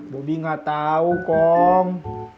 bobby gak tau kong